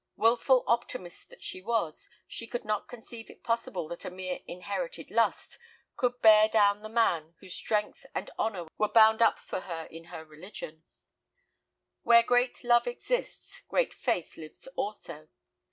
Wilful optimist that she was, she could not conceive it possible that a mere "inherited lust" could bear down the man whose strength and honor were bound up for her in her religion. Where great love exists, great faith lives also.